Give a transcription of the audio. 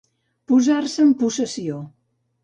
Posar-se en possessió.